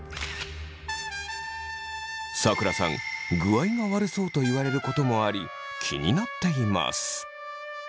さくらさん「具合が悪そう」と言われることもあり気になっています。